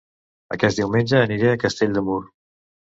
Aquest diumenge aniré a Castell de Mur